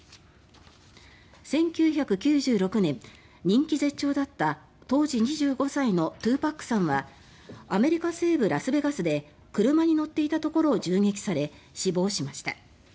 １９９６年、人気絶頂だった当時２５歳の２ＰＡＣさんはアメリカ西部ラスベガスで車に乗っていたところを銃撃され死亡しました。